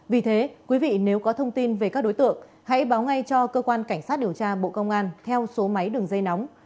vì thế quý vị nếu có thông tin về các đối tượng hãy báo ngay cho cơ quan cảnh sát điều tra bộ công an theo số máy đường dây nóng sáu mươi chín hai trăm ba mươi bốn năm nghìn tám trăm sáu mươi